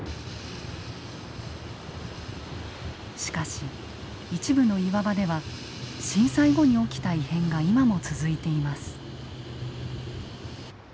しかし一部の岩場では震災後に起きた異変が今も続いています。